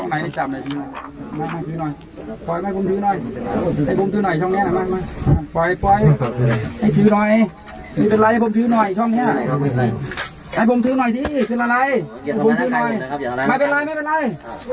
ไม่เป็นไรไม่เป็นไรใช่ถือเฉยในช่องอะไรเนี่ย